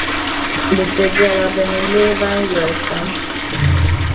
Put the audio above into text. Di chɛ bɛla, bɛ ni leei ban yoli tiεm.